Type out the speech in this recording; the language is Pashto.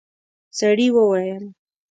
سړي وويل: